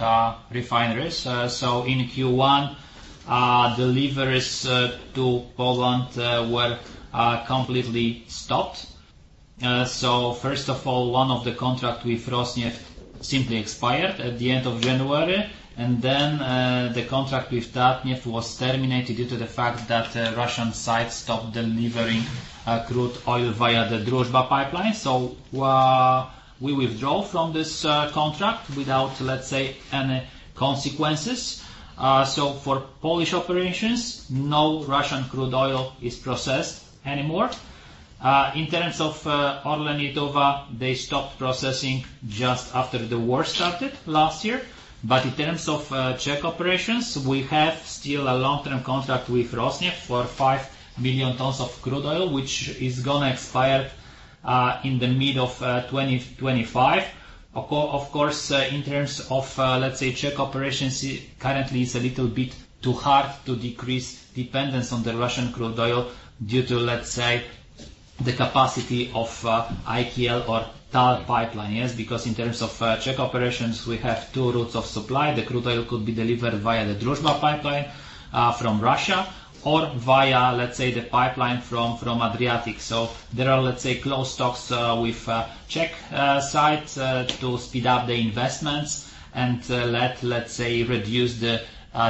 refineries. In Q1, deliveries to Poland were completely stopped. First of all, one of the contract with Rosneft simply expired at the end of January, and then the contract with Tatneft was terminated due to the fact that Russian side stopped delivering crude oil via the Druzhba pipeline. We withdraw from this contract without, let's say, any consequences. For Polish operations, no Russian crude oil is processed anymore. In terms of ORLEN Lietuva, they stopped processing just after the war started last year. In terms of Czech operations, we have still a long-term contract with Rosneft for 5 million tons of crude oil, which is gonna expire in the mid of 2025. Of course, in terms of, let's say, Czech operations, it currently is a little bit too hard to decrease dependence on the Russian crude oil due to, let's say, the capacity of IKL or Tal pipeline. Yes, because in terms of Czech operations, we have two routes of supply. The crude oil could be delivered via the Druzhba pipeline from Russia or via, let's say, the pipeline from Adriatic. There are, let's say, close talks with Czech side to speed up the investments and, let's say, reduce the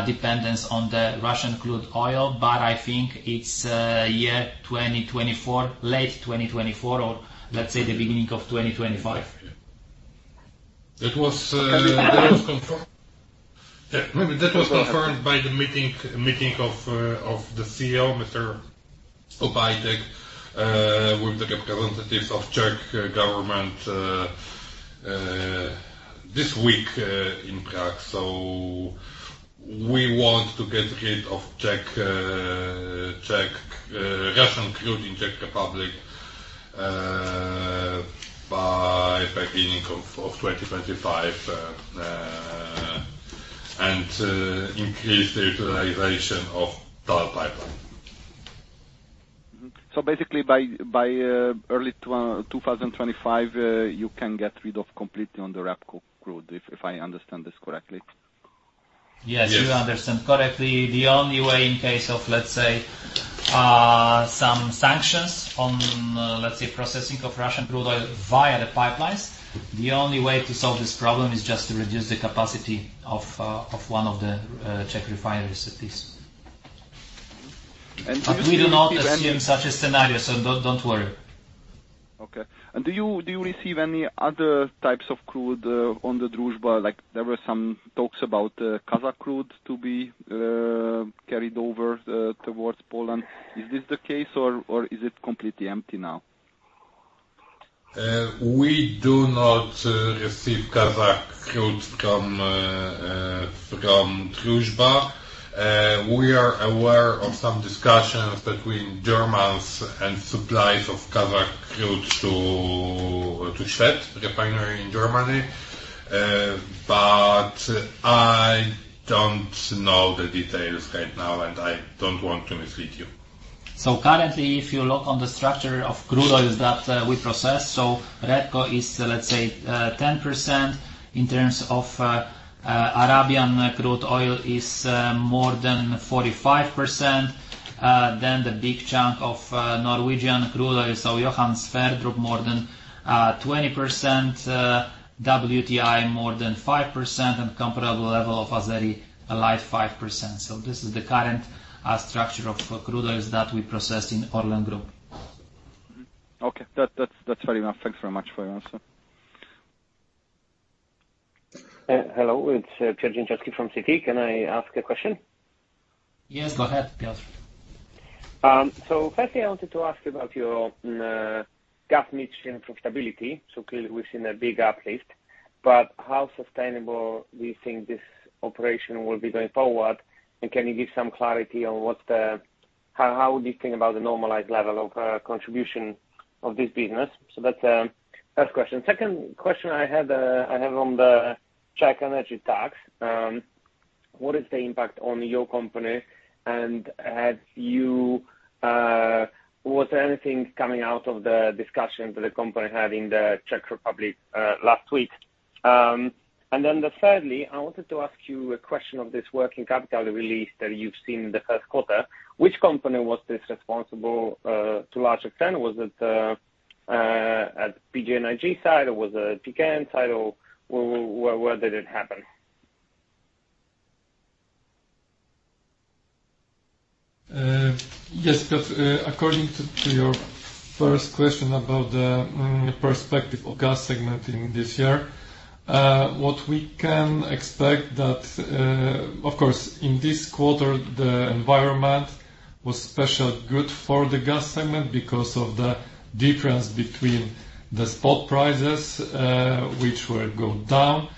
dependence on the Russian crude oil.I think it's, year 2024, late 2024, or let's say the beginning of 2025. That was. Can you hear? That was confirmed. Yeah, maybe that was confirmed by the meeting of the CEO, Mr. Obajtek with the representatives of Czech government this week in Prague. We want to get rid of Czech Russian crude in Czech Republic by beginning of 2025 and increase the utilization of TAL pipeline. Basically early 2025, you can get rid of completely on the REBCO crude, if I understand this correctly? Yes- Yes. You understand correctly. The only way, in case of, let's say, some sanctions on, let's say, processing of Russian crude oil via the pipelines, the only way to solve this problem is just to reduce the capacity of one of the Czech refineries, at least. Do you receive any- We do not assume such a scenario, so don't worry. Okay. Do you receive any other types of crude on the Druzhba? There were some talks about Kazakh crude to be carried over towards Poland. Is this the case, or is it completely empty now? Uh, we do not, uh, receive Kazakh crude from, uh, uh, from Druzhba. Uh, we are aware of some discussions between Germans and suppliers of Kazakh crude to, to Schwedt Refinery in Germany. Uh, but I don't know the details right now, and I don't want to mislead you. Currently, if you look on the structure of crude oils that we process, REBCO is, let's say, 10%. In terms of Arabian crude oil is more than 45%. Then the big chunk of Norwegian crude oil, so Johan Sverdrup, more than 20%, WTI more than 5%, and comparable level of Azeri Light 5%. This is the current structure of crude oils that we process in Orlen Group. Okay, that's fair enough. Thanks very much for your answer. Hello, it's Piotr Dzieciolowski from Citi. Can I ask a question? Yes, go ahead, Piotr. Firstly, I wanted to ask you about your gas margin profitability. Clearly we've seen a big uplift, but how sustainable do you think this operation will be going forward? Can you give some clarity on what... How do you think about the normalized level of contribution of this business? That's first question. Second question I had, I have on the Czech energy tax. What is the impact on your company, and have you. Was there anything coming out of the discussions that the company had in the Czech Republic last week? Then the thirdly, I wanted to ask you a question of this working capital release that you've seen in the Q1. Which company was this responsible to large extent? Was it at PGNiG side, or was it PKN side, or where did it happen? Yes, according to your first question about the perspective of gas segment in this year, what we can expect that, of course, in this quarter, the environment was special good for the gas segment because of the difference between the spot prices, which were go down,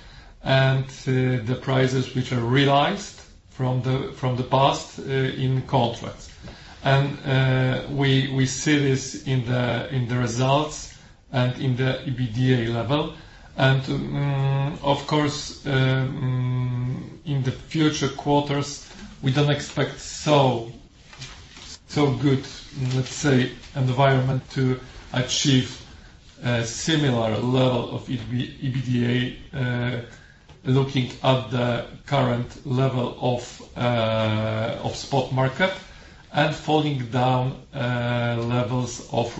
and the prices which are realized from the past, in contracts. We see this in the results and in the EBITDA level. Of course, in the future quarters, we don't expect so good, let's say, environment to achieve a similar level of EBITDA, looking at the current level of spot market and falling down levels of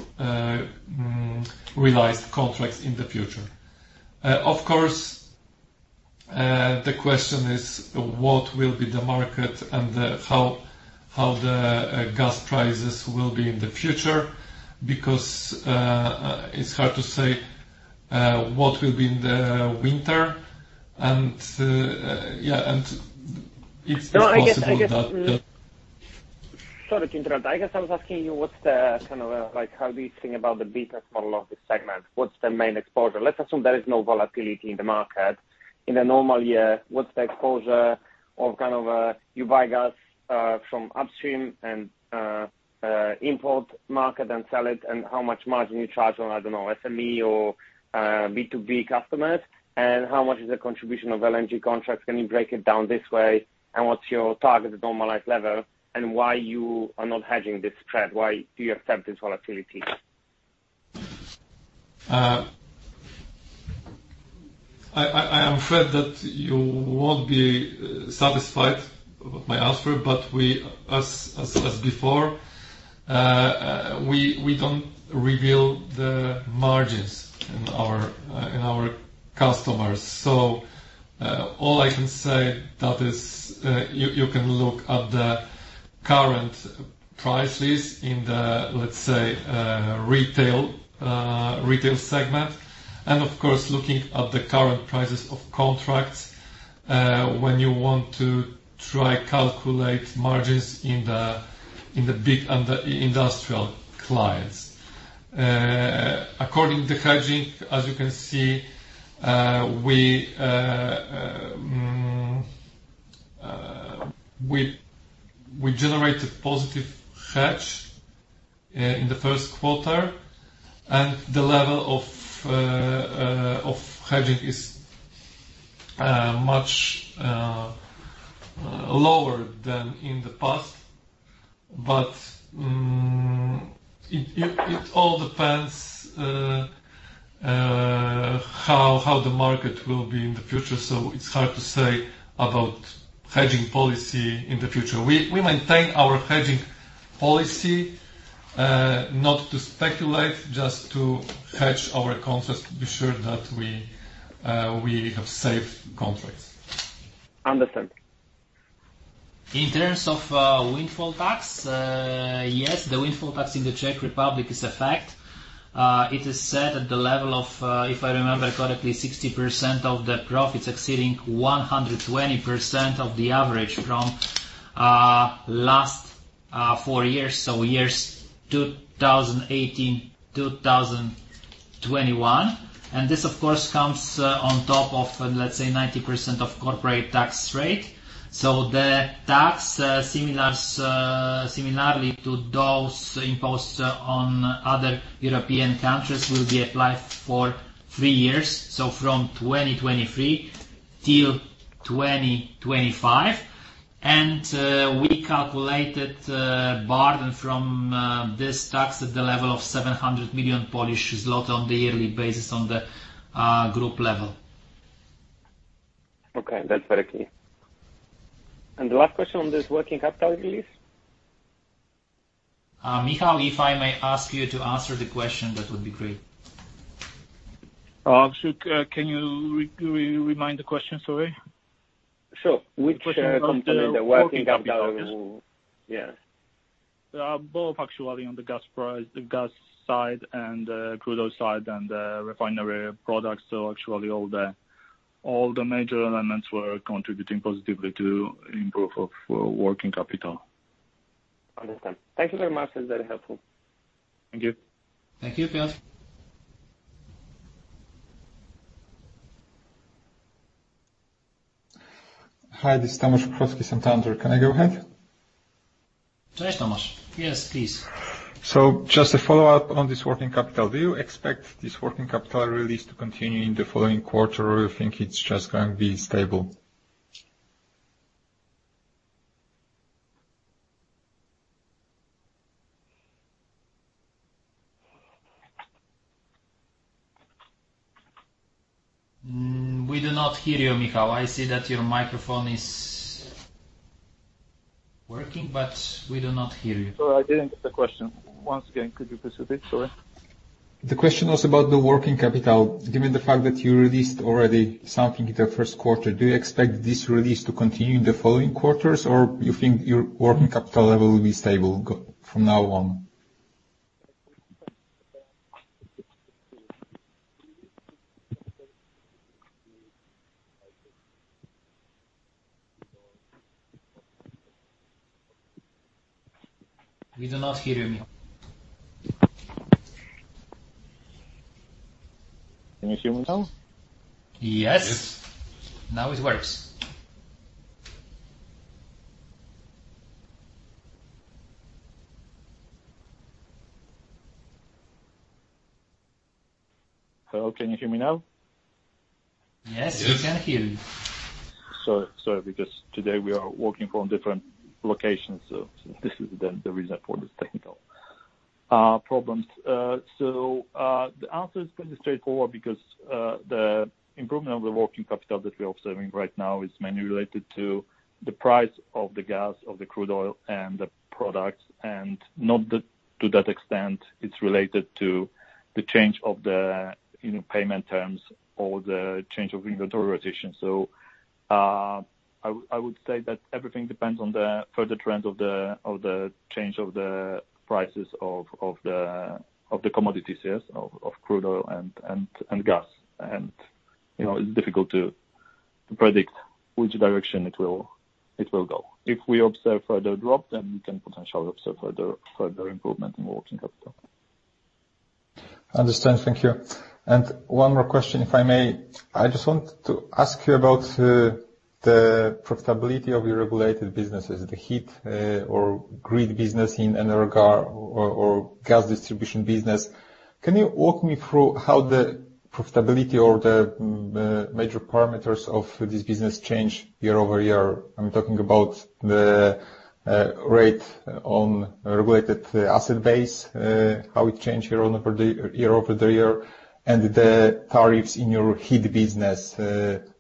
realized contracts in the future. Of course, the question is: What will be the market and how the gas prices will be in the future? Because it's hard to say what will be in the winter. And yeah, and it's possible that the- No, I guess. Sorry to interrupt. I guess I was asking you, what's the kind of, like, how do you think about the business model of this segment? What's the main exposure? Let's assume there is no volatility in the market. In a normal year, what's the exposure of kind of, you buy gas from upstream and import market and sell it, and how much margin you charge on, I don't know, SME or B2B customers? How much is the contribution of LNG contracts? Can you break it down this way? What's your target normalized level, and why you are not hedging this spread? Why do you accept this volatility? I am afraid that you won't be satisfied with my answer. As before, we don't reveal the margins in our in our customers. All I can say that is you can look at the current prices in the, let's say, retail segment, and of course, looking at the current prices of contracts, when you want to try calculate margins in the big and the industrial clients. According to hedging, as you can see, we generated positive hedge in the Q1. The level of hedging is much lower than in the past. It all depends how the market will be in the future, so it's hard to say about hedging policy in the future. We maintain our hedging policy, not to speculate, just to hedge our contracts, to be sure that we have safe contracts. Understood. In terms of windfall tax, yes, the windfall tax in the Czech Republic is a fact. It is set at the level of, if I remember correctly, 60% of the profits exceeding 120% of the average from last four years, so years 2018, 2021. This, of course, comes on top of, let's say, 90% of corporate tax rate. The tax, similarly to those imposed on other European countries, will be applied for three years, so from 2023 till 2025. We calculated burden from this tax at the level of 700 million Polish zloty on the yearly basis on the group level. Okay, that's very clear. The last question on this working capital release? Michal, if I may ask you to answer the question, that would be great. Can you remind the question, sorry? Sure. Which company the working capital? Yeah. Both actually on the gas price, the gas side and, crude oil side and, refinery products. Actually, all the major elements were contributing positively to improve of, working capital. Understood. Thank you very much. That's very helpful. Thank you. Thank you, Piotr. Hi, this is Tomasz Szadkowski, Santander. Can I go ahead? Yes, Tomasz. Yes, please. Just a follow-up on this working capital. Do you expect this working capital release to continue in the following quarter, or you think it's just going to be stable? We do not hear you, Michał. I see that your microphone is working. We do not hear you. Sorry, I didn't get the question. Once again, could you please repeat? Sorry. The question was about the working capital. Given the fact that you released already something in the Q1, do you expect this release to continue in the following quarters, or you think your working capital level will be stable from now on? We do not hear you, Michał. Can you hear me now? Yes. Yes. Now it works. Hello, can you hear me now? Yes, we can hear you. Sorry, because today we are working from different locations, so this is the reason for this technical problems. The answer is pretty straightforward because the improvement of the working capital that we are observing right now is mainly related to the price of the gas, of the crude oil, and the products, and not to that extent, it's related to the change of the, you know, payment terms or the change of inventory rotation. I would say that everything depends on the further trends of the change of the prices of the commodity sales of crude oil and gas. You know, it's difficult to predict which direction it will go. If we observe further drop, then we can potentially observe further improvement in working capital. Understand. Thank you. One more question, if I may. I just want to ask you about the profitability of your regulated businesses, the heat or grid business in Energa or gas distribution business. Can you walk me through how the profitability or the major parameters of this business change year-over-year? I'm talking about the rate on regulated asset base, how it change year-over-year, and the tariffs in your heat business,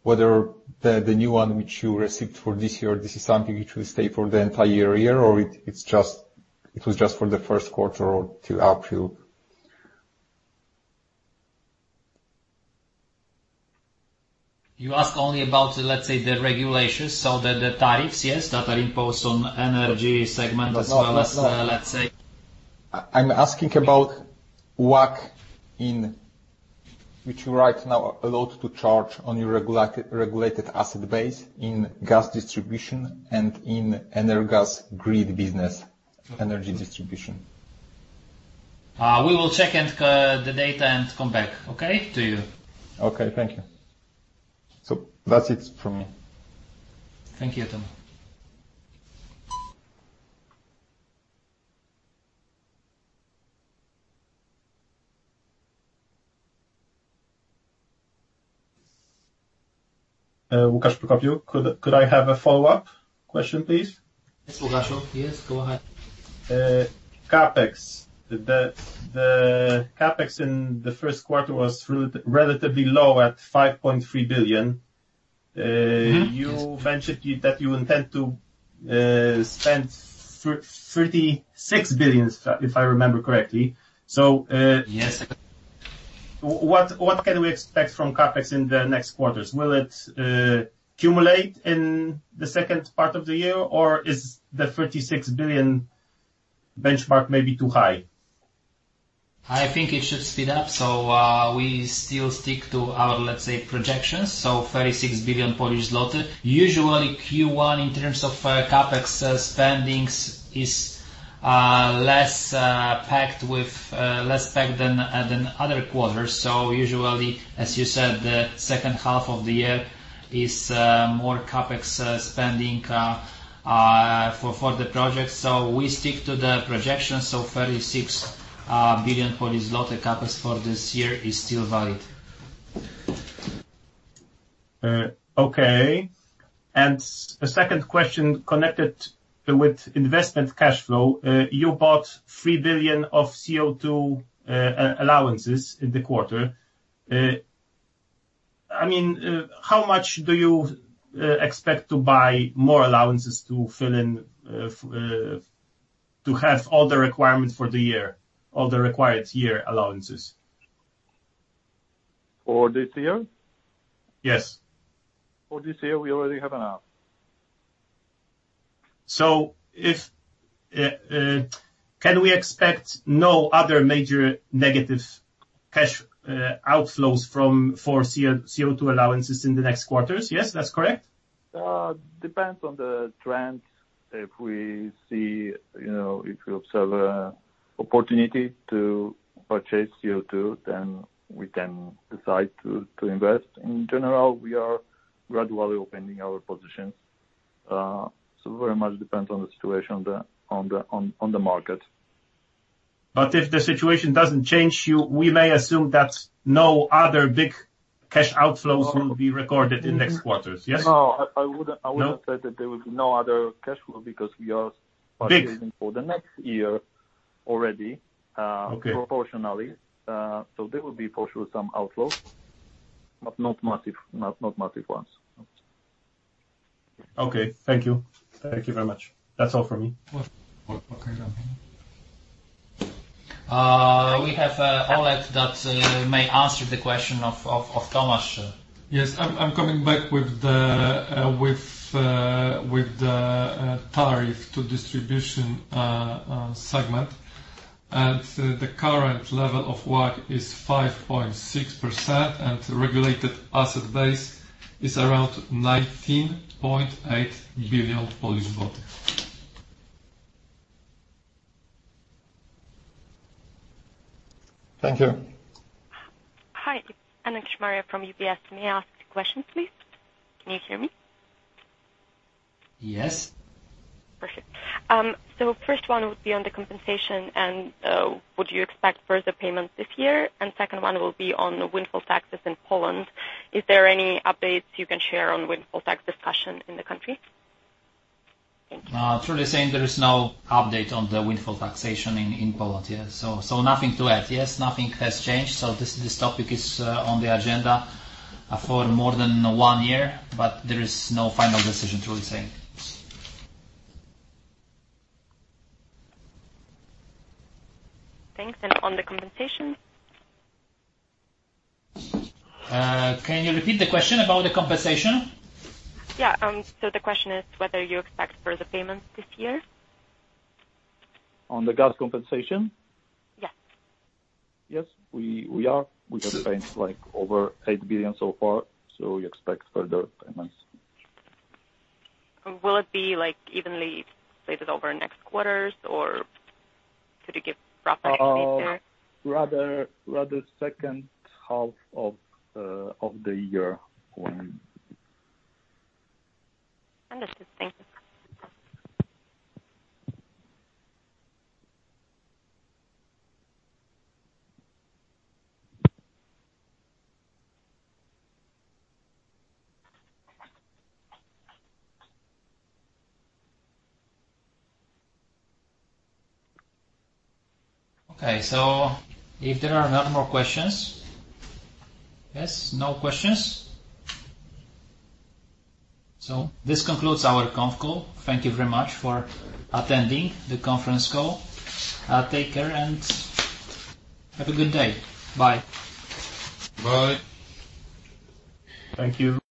whether the new one which you received for this year, this is something which will stay for the entire year, or it was just for the Q1 or to up to? You ask only about, let's say, the regulations, so the tariffs, yes, that are imposed on energy segment as well as, let's say. I'm asking about WACC in which you right now allowed to charge on your regulated asset base in gas distribution and in Energa grid business, energy distribution. We will check and, the data and come back, okay, to you. Okay. Thank you. That's it from me. Thank you, Adam. Łukasz Kopacz, could I have a follow-up question, please? Yes, Łukasz. Yes, go ahead. CapEx. The CapEx in the Q1 was relatively low at $5.3 billion. Mm-hmm. you mentioned it, that you intend to spend 36 billion, if I remember correctly. Yes. What can we expect from CapEx in the next quarters? Will it accumulate in the second part of the year, or is the 36 billion benchmark maybe too high? I think it should speed up, so we still stick to our, let's say, projections, so 36 billion Polish zloty. Usually, Q1, in terms of CapEx spendings, is less packed with less packed than other quarters. Usually, as you said, the second half of the year is more CapEx spending for the project. We stick to the projections, so 36 billion for this zloty CapEx for this year is still valid. Okay. A second question connected with investment cash flow. You bought 3 billion of CO2 allowances in the quarter. I mean, how much do you expect to buy more allowances to fill in to have all the requirements for the year, all the required year allowances? For this year? Yes. For this year, we already have enough. If, can we expect no other major negative cash outflows from, for CO2 allowances in the next quarters? Yes, that's correct? Depends on the trend. If we see, you know, if we observe a opportunity to purchase CO2, then we can decide to invest. In general, we are gradually opening our positions. Very much depends on the situation on the, on the, on the market. If the situation doesn't change, we may assume that no other big-cash outflows will be recorded in next quarters, yes? No, I wouldn't. No? Say that there will be no other cash flow because we are. Big. -for the next year already. Okay. proportionally. There will be for sure, some outflows, but not massive, not massive ones. Okay, thank you. Thank you very much. That's all for me. We have Olek that may answer the question of Łukasz. Yes, I'm coming back with the tariff to distribution segment. The current level of WACC is 5.6%, and regulated asset base is around PLN 19.8 billion. Thank you. Hi, it's Anna Czajkowska-Kłos from UBS. May I ask the questions, please? Can you hear me? Yes. Perfect. First one would be on the compensation and would you expect further payments this year? Second one will be on the windfall taxes in Poland. Is there any updates you can share on windfall tax discussion in the country? Thank you. Truly saying, there is no uPTAte on the windfall taxation in Poland. Yeah. Nothing to add. Yes, nothing has changed, so this topic is on the agenda for more than one year, but there is no final decision, truly saying. Thanks. On the compensation? Can you repeat the question about the compensation? Yeah. The question is whether you expect further payments this year? On the gas compensation? Yes. Yes, we are. We got payments like over 8 billion so far. We expect further payments. Will it be like evenly spaced over next quarters, or could you give rough estimate there? rather second half of the year when. Understood. Thank you. Okay, if there are no more questions. Yes, no questions? This concludes our conf call. Thank you very much for attending the conference call. Take care and have a good day. Bye. Bye. Thank you.